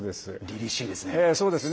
りりしいですね。